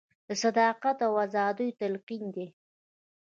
د صداقت او ازادیو تلقین دی.